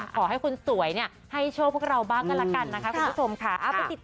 ขอให้คนสวยเนี่ยให้โชคพวกเราบ้างก็แล้วกันนะคะคุณผู้ชมค่ะ